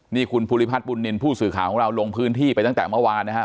นี่คุณภูริพัฒนบุญนินทร์ผู้สื่อข่าวของเราลงพื้นที่ไปตั้งแต่เมื่อวานนะครับ